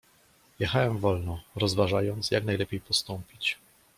"Jechałem wolno, rozważając, jak najlepiej postąpić."